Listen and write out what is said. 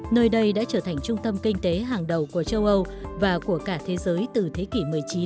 nơi đây đã trở thành trung tâm kinh tế hàng đầu của châu âu và của cả thế giới từ thế kỷ một mươi chín